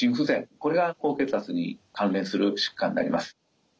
これが高血圧に関連する疾患になります。